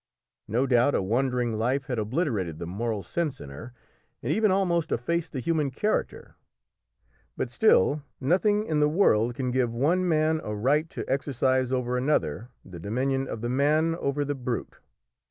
No doubt a wandering life had obliterated the moral sense in her, and even almost effaced the human character; but still nothing in the world can give one man a right to exercise over another the dominion of the man over the brute.